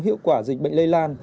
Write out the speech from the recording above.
hiệu quả dịch bệnh lây lan